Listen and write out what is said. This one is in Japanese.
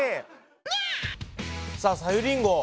さあさゆりんご